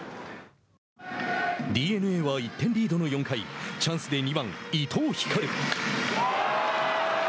ＤｅＮＡは１点リードの４回チャンスで２番伊藤光。